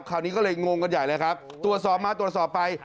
คราวนี้ก็เลยงงกันใหญ่เลยครับตรวจสอบมาตรวจสอบไป